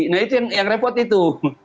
nah itu yang repot itu